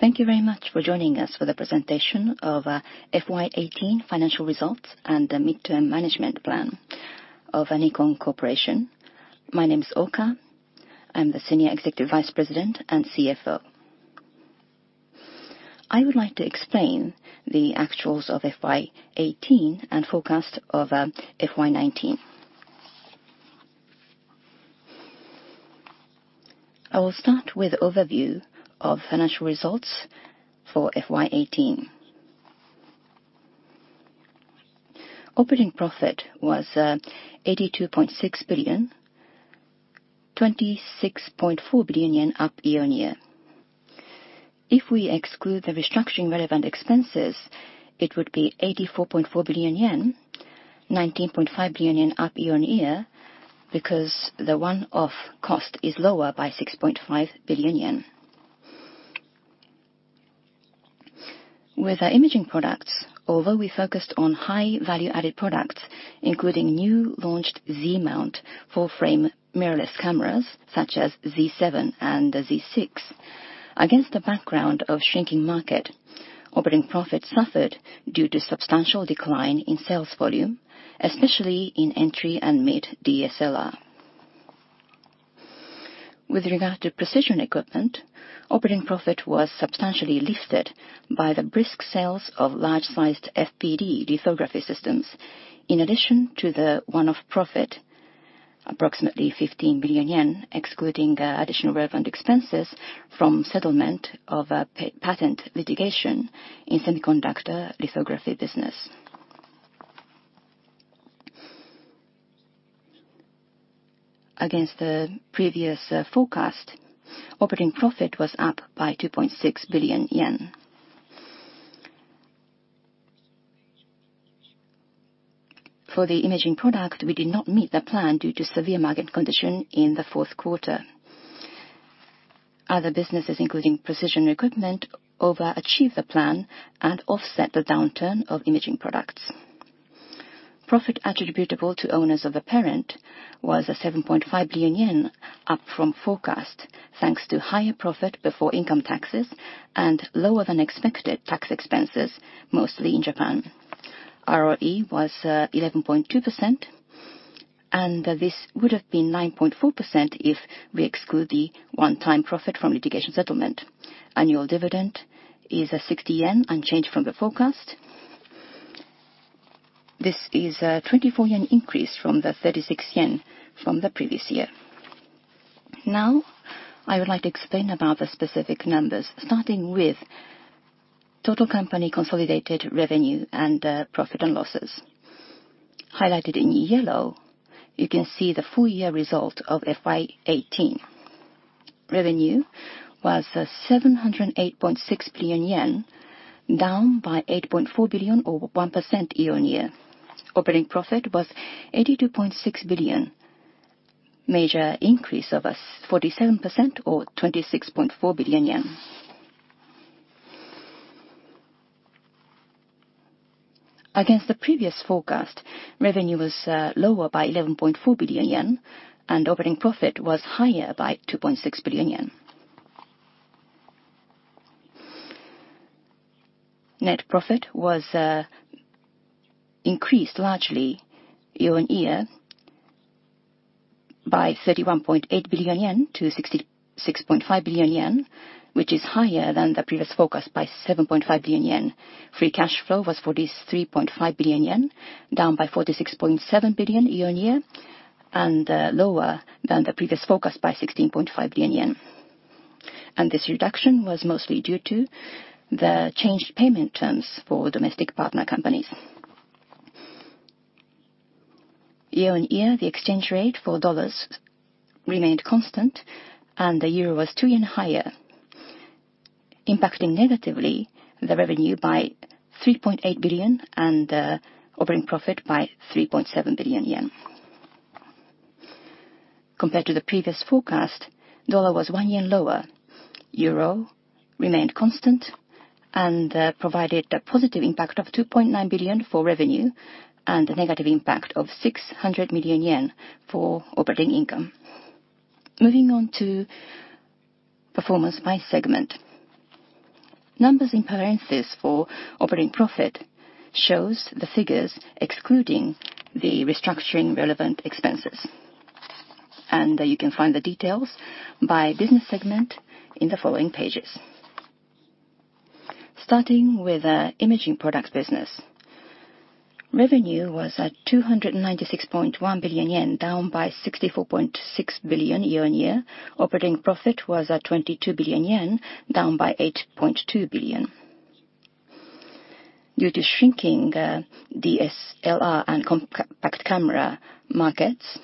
Thank you very much for joining us for the presentation of FY 2018 financial results and the midterm management plan of Nikon Corporation. My name is Oka. I am the Senior Executive Vice President and CFO. I would like to explain the actuals of FY 2018 and forecast of FY 2019. I will start with overview of financial results for FY 2018. Operating profit was 82.6 billion, 26.4 billion yen up year-on-year. If we exclude the restructuring relevant expenses, it would be 84.4 billion yen, 19.5 billion yen up year-on-year because the one-off cost is lower by 6.5 billion yen. With our imaging products, although we focused on high value-added products, including new launched Z-mount full frame mirrorless cameras such as Z7 and the Z6, against the background of shrinking market, operating profit suffered due to substantial decline in sales volume, especially in entry and mid DSLR. With regard to precision equipment, operating profit was substantially lifted by the brisk sales of large-sized FPD lithography systems, in addition to the one-off profit, approximately 15 billion yen, excluding additional relevant expenses from settlement of patent litigation in semiconductor lithography business. Against the previous forecast, operating profit was up by 2.6 billion yen. For the imaging product, we did not meet the plan due to severe market condition in the fourth quarter. Other businesses, including precision equipment, overachieved the plan and offset the downturn of imaging products. Profit attributable to owners of the parent was 7.5 billion yen, up from forecast, thanks to higher profit before income taxes and lower than expected tax expenses, mostly in Japan. ROE was 11.2%, and this would have been 9.4% if we exclude the one-time profit from litigation settlement. Annual dividend is at 60 yen, unchanged from the forecast. This is a 24 yen increase from the 36 yen from the previous year. Now, I would like to explain about the specific numbers, starting with total company consolidated revenue and profit and losses. Highlighted in yellow, you can see the full year result of FY 2018. Revenue was 708.6 billion yen, down by 8.4 billion or 1% year-on-year. Operating profit was 82.6 billion, major increase of 47% or 26.4 billion yen. Against the previous forecast, revenue was lower by 11.4 billion yen, and operating profit was higher by 2.6 billion yen. Net profit was increased largely year-on-year by 31.8 billion yen to 66.5 billion yen, which is higher than the previous forecast by 7.5 billion yen. Free cash flow was 43.5 billion yen, down by 46.7 billion year-on-year, and lower than the previous forecast by 16.5 billion yen. This reduction was mostly due to the changed payment terms for domestic partner companies. Year-on-year, the exchange rate for dollars remained constant, and the euro was 2 yen higher, impacting negatively the revenue by 3.8 billion and operating profit by 3.7 billion yen. Compared to the previous forecast, dollar was 1 yen lower, euro remained constant and provided a positive impact of 2.9 billion for revenue and a negative impact of 600 million yen for operating income. Moving on to performance by segment. Numbers in parentheses for operating profit shows the figures excluding the restructuring relevant expenses. You can find the details by business segment in the following pages. Starting with our imaging products business. Revenue was at 296.1 billion yen, down by 64.6 billion year-on-year. Operating profit was at 22 billion yen, down by 8.2 billion. Due to shrinking DSLR and compact camera markets,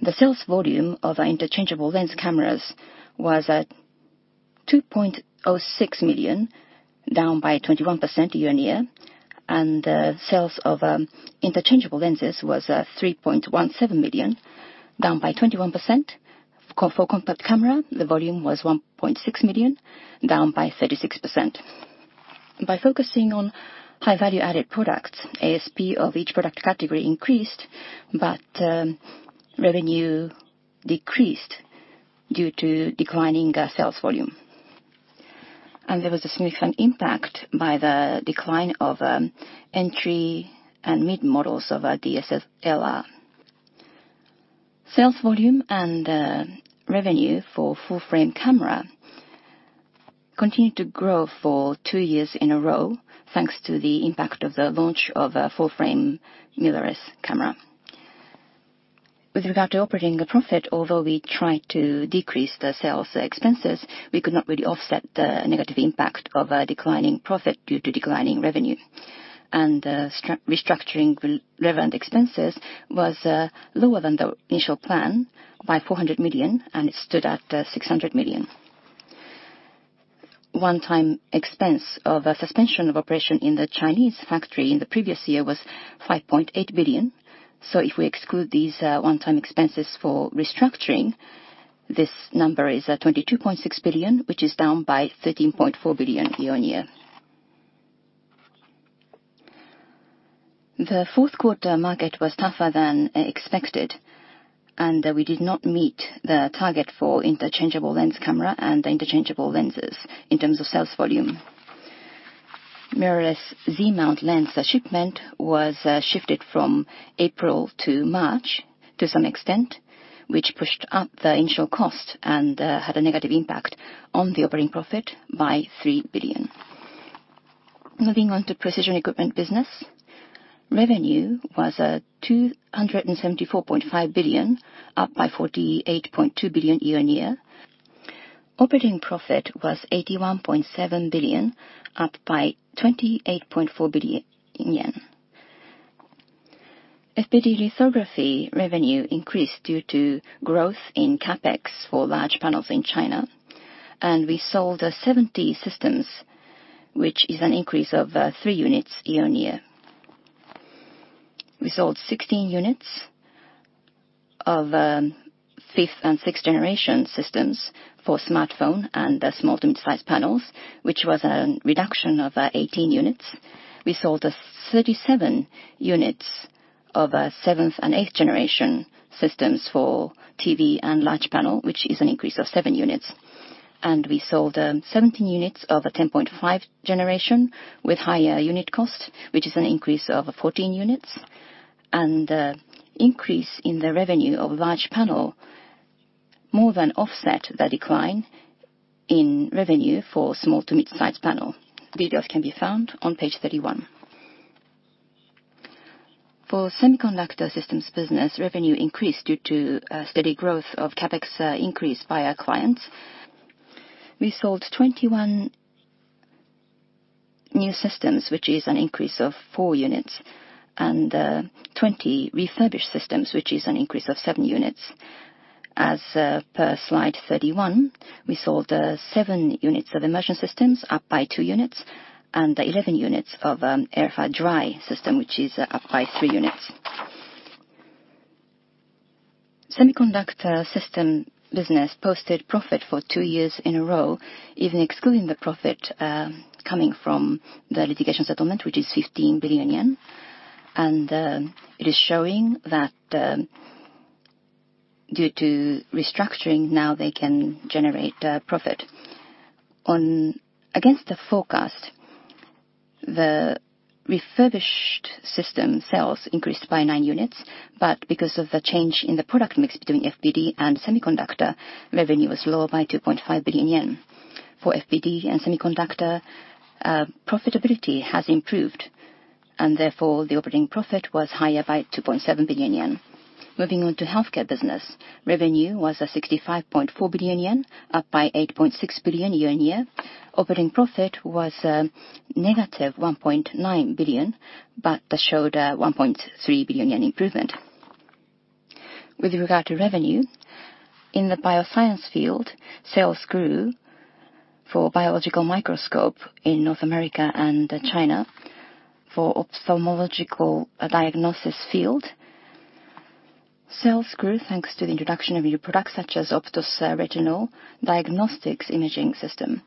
the sales volume of our interchangeable lens cameras was at 2.06 million, down by 21% year-on-year, and sales of interchangeable lenses was 3.17 million, down by 21%. For compact camera, the volume was 1.6 million, down by 36%. By focusing on high value added products, ASP of each product category increased, but revenue decreased due to declining sales volume. There was a significant impact by the decline of entry and mid models of DSLR. Sales volume and revenue for full frame camera continued to grow for two years in a row thanks to the impact of the launch of a full frame mirrorless camera. With regard to operating profit, although we tried to decrease the sales expenses, we could not really offset the negative impact of a declining profit due to declining revenue. Restructuring relevant expenses was lower than the initial plan by 400 million, and it stood at 600 million. One time expense of suspension of operation in the Chinese factory in the previous year was 5.8 billion. If we exclude these one time expenses for restructuring, this number is 22.6 billion, which is down by 13.4 billion year-on-year. The fourth quarter market was tougher than expected, and we did not meet the target for interchangeable lens camera and interchangeable lenses in terms of sales volume. Mirrorless Z mount lens shipment was shifted from April to March to some extent, which pushed up the initial cost and had a negative impact on the operating profit by 3 billion. Moving on to precision equipment business. Revenue was 274.5 billion, up by 48.2 billion year-on-year. Operating profit was 81.7 billion, up by 28.4 billion yen. FPD lithography revenue increased due to growth in CapEx for large panels in China. We sold 70 systems, which is an increase of three units year-on-year. We sold 16 units of fifth and sixth generation systems for smartphone and small to mid-size panels, which was a reduction of 18 units. We sold 37 units of seventh and eighth generation systems for TV and large panel, which is an increase of seven units. We sold 17 units of 10.5 generation with higher unit cost, which is an increase of 14 units. The increase in the revenue of large panel more than offset the decline in revenue for small to midsize panel. Details can be found on page 31. For semiconductor systems business, revenue increased due to steady growth of CapEx increase by our clients. We sold 21 new systems, which is an increase of four units, and 20 refurbished systems, which is an increase of seven units. As per slide 31, we sold seven units of immersion systems, up by two units, and 11 units of ArF dry system, which is up by three units. Semiconductor system business posted profit for two years in a row, even excluding the profit coming from the litigation settlement, which is 15 billion yen. It is showing that due to restructuring, now they can generate profit. Against the forecast, the refurbished system sales increased by nine units, but because of the change in the product mix between FPD and semiconductor, revenue was lower by 2.5 billion yen. For FPD and semiconductor, profitability has improved and therefore the operating profit was higher by 2.7 billion yen. Moving on to healthcare business. Revenue was 65.4 billion yen, up by 8.6 billion year-on-year. Operating profit was -1.9 billion, but showed 1.3 billion yen improvement. With regard to revenue, in the bioscience field, sales grew for biological microscope in North America and China. For ophthalmological diagnosis field, sales grew thanks to the introduction of new products such as Optos Retinal Diagnostics Imaging System.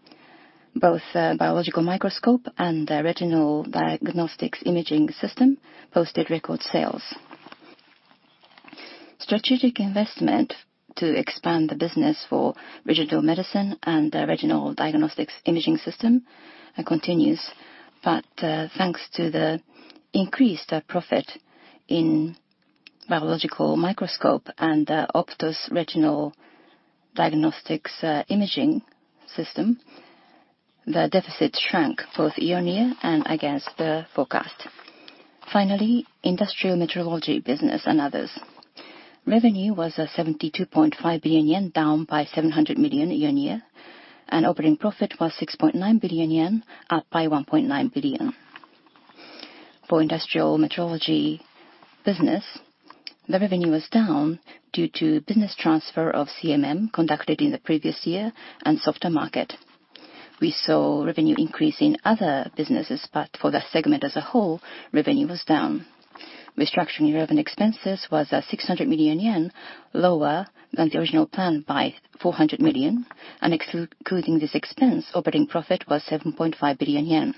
Both biological microscope and retinal diagnostics imaging system posted record sales. Strategic investment to expand the business for retinal medicine and retinal diagnostics imaging system continues, thanks to the increased profit in biological microscope and Optos Retinal Diagnostics Imaging System, the deficit shrank both year-on-year and against the forecast. Finally, industrial metrology business and others. Revenue was 72.5 billion yen, down by 700 million yen year-on-year, operating profit was 6.9 billion yen, up by 1.9 billion. For industrial metrology business, the revenue was down due to business transfer of CMM conducted in the previous year and softer market. We saw revenue increase in other businesses, for that segment as a whole, revenue was down. Restructuring relevant expenses was at 600 million yen, lower than the original plan by 400 million. Excluding this expense, operating profit was 7.5 billion yen.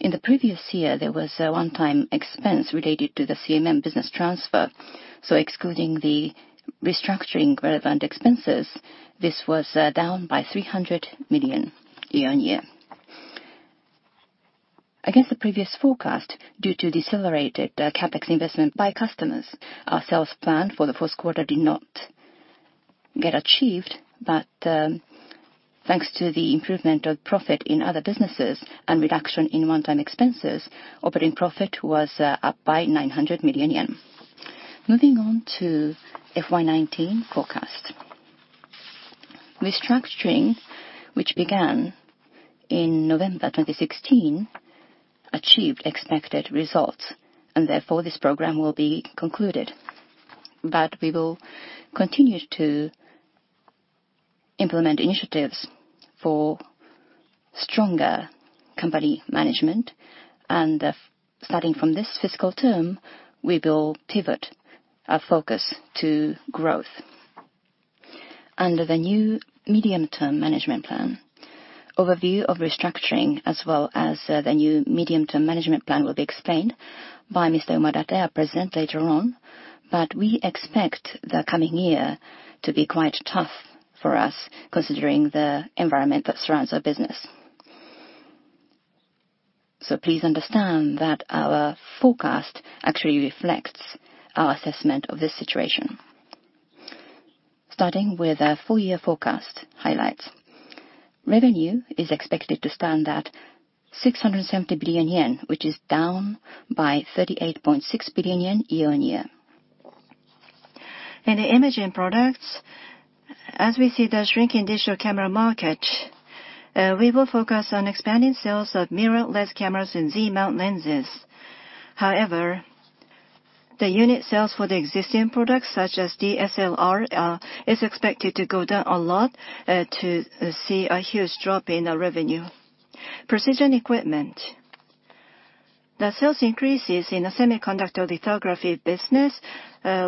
In the previous year, there was a one-time expense related to the CMM business transfer. Excluding the restructuring relevant expenses, this was down by JPY 300 million year-on-year. Against the previous forecast, due to decelerated CapEx investment by customers, our sales plan for the first quarter did not get achieved. Thanks to the improvement of profit in other businesses and reduction in one-time expenses, operating profit was up by 900 million yen. Moving on to FY 2019 forecast. Restructuring, which began in November 2016, achieved expected results, therefore this program will be concluded. We will continue to implement initiatives for stronger company management, starting from this fiscal term, we will pivot our focus to growth. Under the new medium-term management plan, overview of restructuring as well as the new medium-term management plan will be explained by Mr. Umatate, our President, later on. We expect the coming year to be quite tough for us considering the environment that surrounds our business. Please understand that our forecast actually reflects our assessment of this situation. Starting with our full-year forecast highlights. Revenue is expected to stand at 670 billion yen, which is down by 38.6 billion yen year-on-year. In the imaging products, as we see the shrinking digital camera market, we will focus on expanding sales of mirrorless cameras and Z mount lenses. However, the unit sales for the existing products, such as DSLR, is expected to go down a lot to see a huge drop in our revenue. Precision equipment. The sales increases in the semiconductor lithography business,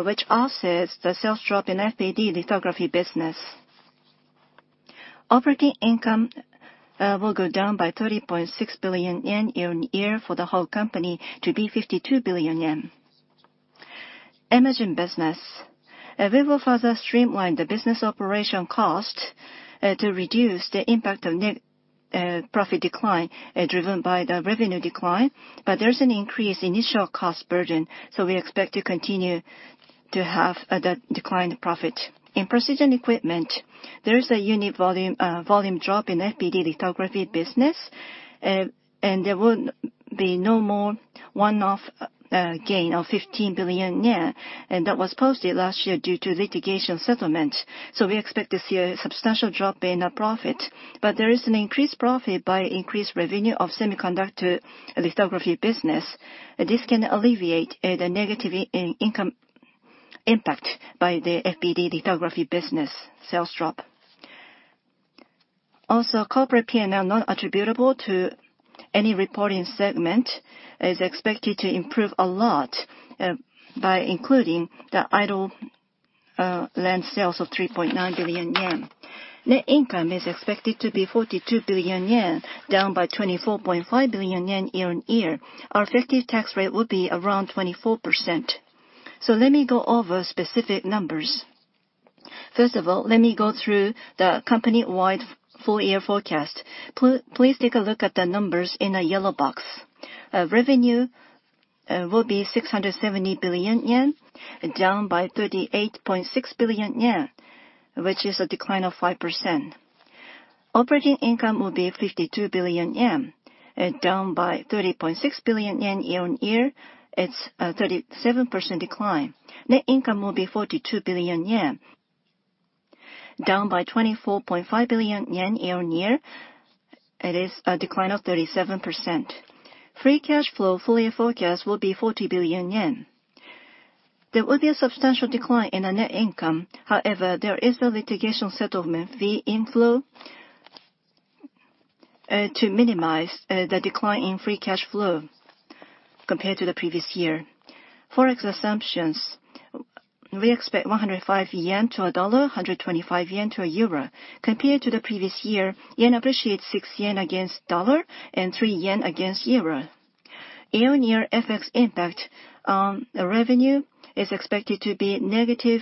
which offsets the sales drop in FPD lithography business. Operating income will go down by 30.6 billion yen year-on-year for the whole company to be 52 billion yen. Imaging business. We will further streamline the business operation cost to reduce the impact of net profit decline driven by the revenue decline. But there's an increased initial cost burden, we expect to continue to have that decline profit. In precision equipment, there is a unit volume drop in FPD lithography business, there will be no more one-off gain of 15 billion yen, that was posted last year due to litigation settlement. We expect to see a substantial drop in our profit. There is an increased profit by increased revenue of semiconductor lithography business. This can alleviate the negative income impact by the FPD lithography business sales drop. Also, corporate P&L not attributable to any reporting segment is expected to improve a lot by including the idle land sales of 3.9 billion yen. Net income is expected to be 42 billion yen, down by 24.5 billion yen year-on-year. Our effective tax rate will be around 24%. Let me go over specific numbers. First of all, let me go through the company-wide full-year forecast. Please take a look at the numbers in a yellow box. Revenue will be 670 billion yen, down by 38.6 billion yen, which is a decline of 5%. Operating income will be 52 billion yen, down by 30.6 billion yen year-on-year. It is a 37% decline. Net income will be 42 billion yen, down by 24.5 billion yen year-on-year. It is a decline of 37%. Free cash flow full year forecast will be 40 billion yen. There will be a substantial decline in the net income. However, there is a litigation settlement fee inflow to minimize the decline in free cash flow compared to the previous year. Forex assumptions. We expect 105 yen to a dollar, 125 yen to a euro. Compared to the previous year, yen appreciates six yen against dollar and three yen against euro. Year-on-year FX impact on revenue is expected to be negative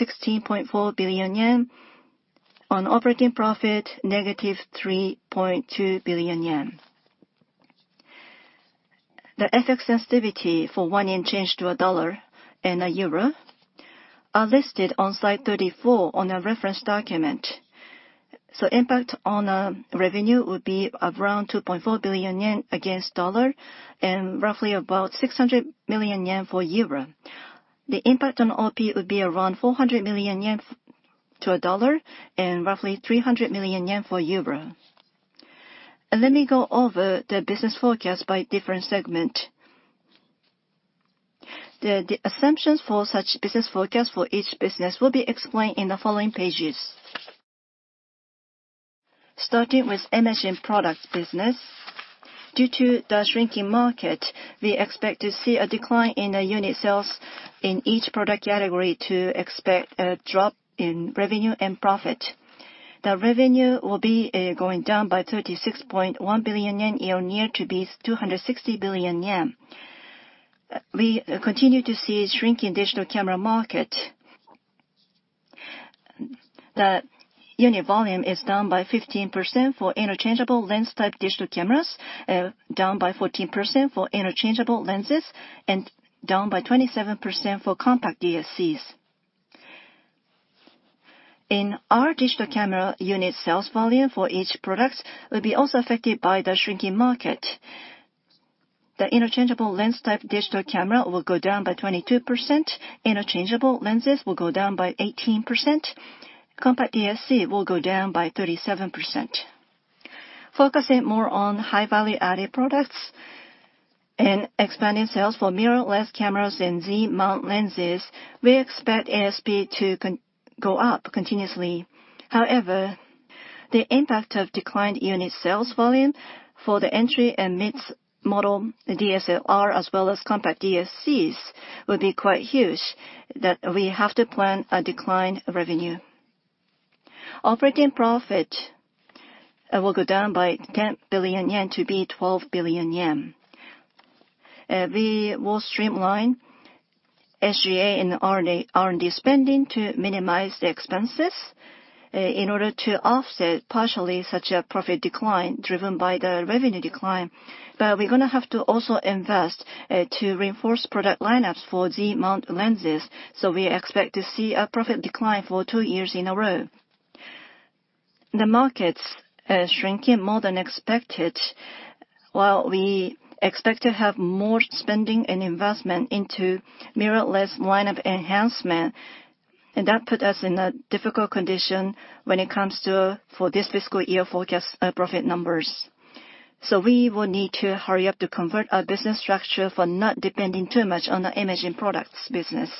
16.4 billion yen, on operating profit, negative 3.2 billion yen. The FX sensitivity for one yen change to a dollar and a euro are listed on slide 34 on our reference document. Impact on revenue would be around 2.4 billion yen against dollar and roughly about 600 million yen for euro. The impact on OP would be around 400 million yen to a dollar and roughly 300 million yen for euro. Let me go over the business forecast by different segment. The assumptions for such business forecast for each business will be explained in the following pages. Starting with imaging products business. Due to the shrinking market, we expect to see a decline in the unit sales in each product category to expect a drop in revenue and profit. The revenue will be going down by 36.1 billion yen year-on-year to be 260 billion yen. We continue to see a shrinking digital camera market. The unit volume is down by 15% for interchangeable lens type digital cameras, down by 14% for interchangeable lenses, and down by 27% for compact DSCs. In our digital camera unit sales volume for each products will be also affected by the shrinking market. The interchangeable lens type digital camera will go down by 22%, interchangeable lenses will go down by 18%, compact DSC will go down by 37%. Focusing more on high value added products and expanding sales for mirrorless cameras and Z mount lenses, we expect ASP to go up continuously. However, the impact of declined unit sales volume for the entry and mid model DSLR, as well as compact DSCs, will be quite huge that we have to plan a decline revenue. Operating profit will go down by 10 billion yen to be 12 billion yen. We will streamline SG&A and R&D spending to minimize the expenses in order to offset partially such a profit decline driven by the revenue decline. We're going to have to also invest to reinforce product lineups for Z mount lenses. We expect to see a profit decline for two years in a row. The market's shrinking more than expected. While we expect to have more spending and investment into mirrorless lineup enhancement, and that put us in a difficult condition when it comes to for this fiscal year forecast profit numbers. We will need to hurry up to convert our business structure for not depending too much on the imaging products business.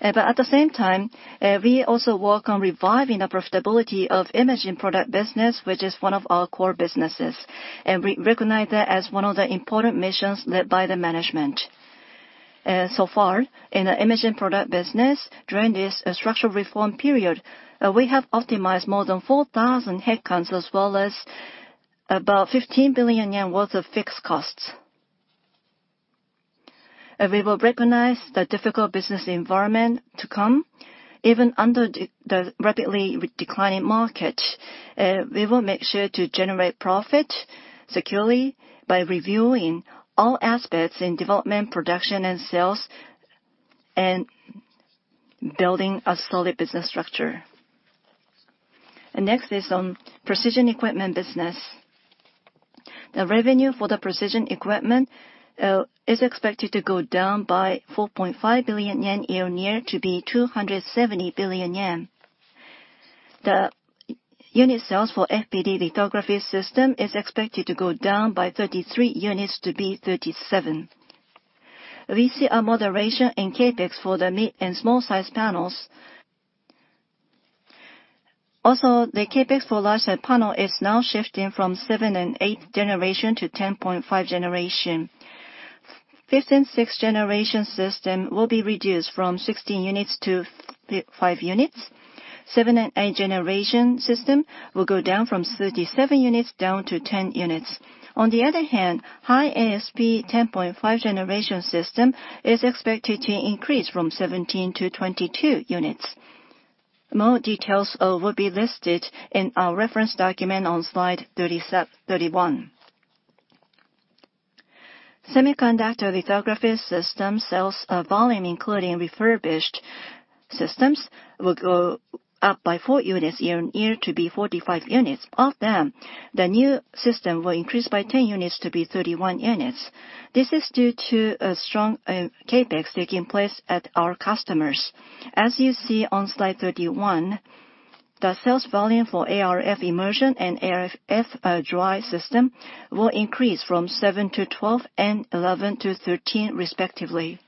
At the same time, we also work on reviving the profitability of imaging product business, which is one of our core businesses. We recognize that as one of the important missions led by the management. So far, in the imaging product business, during this structural reform period, we have optimized more than 4,000 headcounts, as well as about 15 billion yen worth of fixed costs. We will recognize the difficult business environment to come, even under the rapidly declining market. We will make sure to generate profit securely by reviewing all aspects in development, production, and sales, and building a solid business structure. Next is on precision equipment business. The revenue for the precision equipment is expected to go down by 4.5 billion yen year-on-year to be 270 billion yen. The unit sales for FPD lithography system is expected to go down by 33 units to be 37. We see a moderation in CapEx for the mid and small size panels. Also, the CapEx for large side panel is now shifting from seventh- and eighth-generation to Gen 10.5. Fifth and sixth generation system will be reduced from 16 units to 5 units. Seventh and eighth generation system will go down from 37 units down to 10 units. On the other hand, high ASP Gen 10.5 system is expected to increase from 17 to 22 units. More details will be listed in our reference document on slide 31. Semiconductor lithography system sales volume, including refurbished systems, will go up by four units year-on-year to be 45 units. Of them, the new system will increase by 10 units to be 31 units. This is due to a strong CapEx taking place at our customers. As you see on slide 31, the sales volume for ArF immersion and ArF dry system will increase from 7 to 12 and 11 to 13, respectively.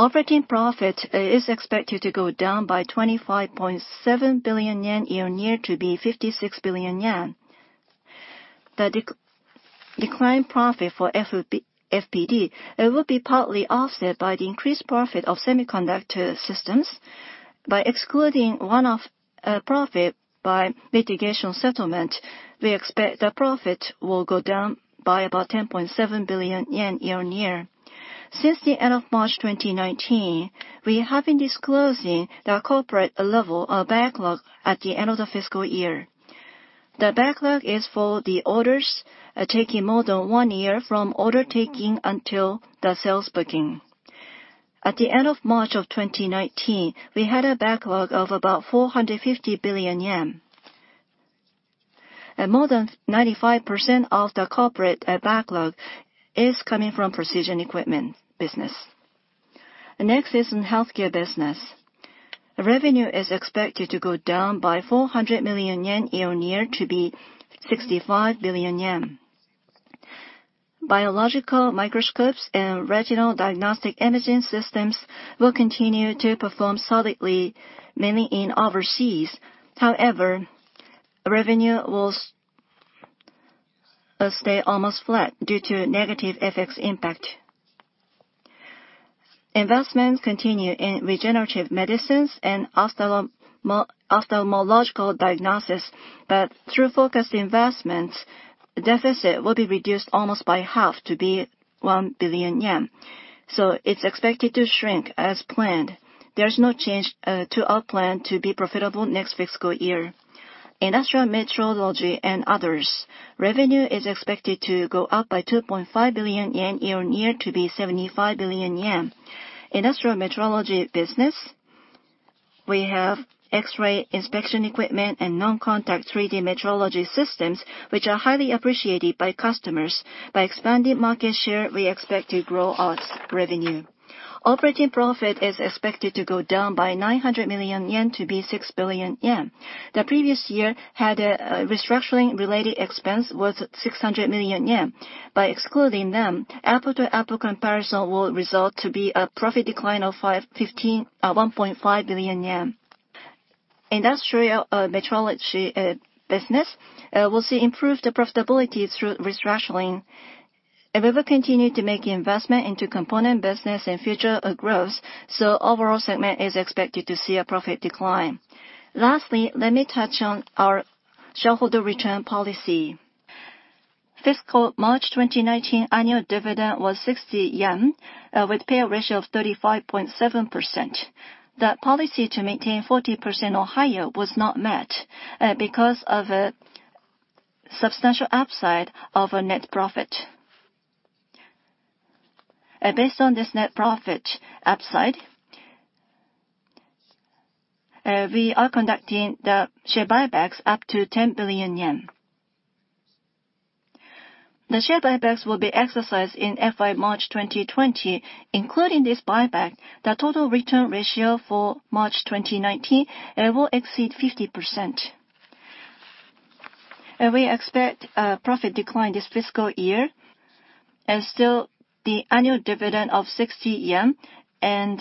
Operating profit is expected to go down by 25.7 billion yen year-on-year to be 56 billion yen. The declining profit for FPD will be partly offset by the increased profit of semiconductor systems. By excluding one-off profit by litigation settlement, we expect the profit will go down by about 10.7 billion yen year-on-year. Since the end of March 2019, we have been disclosing the corporate level of backlog at the end of the fiscal year. The backlog is for the orders taking more than one year from order taking until the sales booking. At the end of March 2019, we had a backlog of about 450 billion yen, and more than 95% of the corporate backlog is coming from precision equipment business. Next is in healthcare business. Revenue is expected to go down by 400 million yen year-on-year to be 65 billion yen. Biological microscopes and retinal diagnostic imaging systems will continue to perform solidly, mainly in overseas. However, revenue will stay almost flat due to negative FX impact. Investments continue in regenerative medicines and ophthalmological diagnosis. Through focused investments, deficit will be reduced almost by half to be 1 billion yen. It's expected to shrink as planned. There's no change to our plan to be profitable next fiscal year. Industrial metrology and others. Revenue is expected to go up by 2.5 billion yen year-on-year to be 75 billion yen. Industrial metrology business, we have X-ray inspection equipment and non-contact 3D metrology systems, which are highly appreciated by customers. By expanding market share, we expect to grow our revenue. Operating profit is expected to go down by 900 million yen to be 6 billion yen. The previous year had a restructuring related expense worth 600 million yen. By excluding them, apple-to-apple comparison will result to be a profit decline of 1.5 billion yen. Industrial metrology business will see improved profitability through restructuring. We will continue to make investment into component business and future growth, overall segment is expected to see a profit decline. Lastly, let me touch on our shareholder return policy. Fiscal March 2019 annual dividend was 60 yen, with payout ratio of 35.7%. That policy to maintain 40% or higher was not met because of a substantial upside of our net profit. Based on this net profit upside, we are conducting the share buybacks up to 10 billion yen. The share buybacks will be exercised in FY March 2020. Including this buyback, the total return ratio for March 2019 will exceed 50%. We expect a profit decline this fiscal year, still the annual dividend of 60 yen and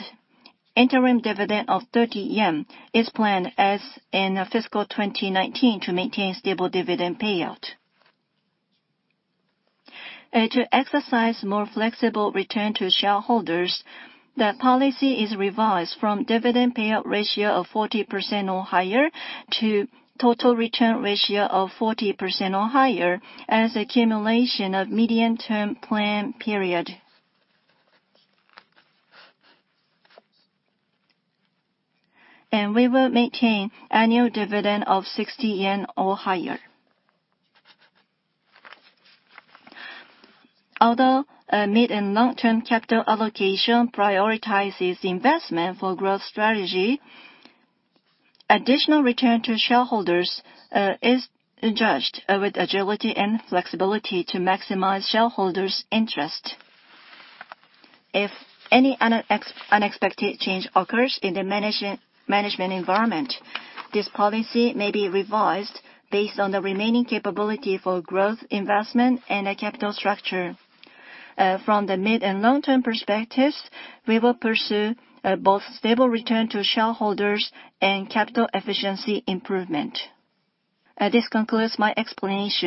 interim dividend of 30 yen is planned as in fiscal 2019 to maintain stable dividend payout. To exercise more flexible return to shareholders, the policy is revised from dividend payout ratio of 40% or higher to total return ratio of 40% or higher as accumulation of medium term plan period. We will maintain annual dividend of 60 yen or higher. Although mid and long-term capital allocation prioritizes investment for growth strategy, additional return to shareholders is judged with agility and flexibility to maximize shareholders' interest. If any unexpected change occurs in the management environment, this policy may be revised based on the remaining capability for growth, investment, and capital structure. From the mid and long-term perspectives, we will pursue both stable return to shareholders and capital efficiency improvement. This concludes my explanation.